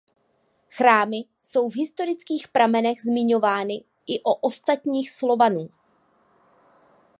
Chrámy jsou v historických pramenech zmiňovány i o ostatních Slovanů.